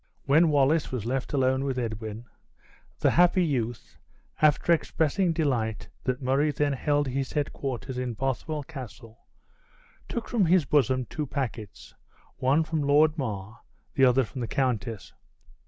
When Wallace was left alone with Edwin, the happy youth (after expressing delight that Murray then held his headquarters in Bothwell Castle) took from his bosom two packets; one from Lord Mar, the other from the countess.